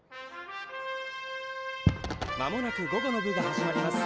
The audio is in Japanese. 「まもなく午後の部が始まります。